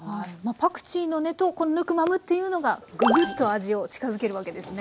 パクチーの根とヌクマムっていうのがぐぐっと味を近づけるわけですね。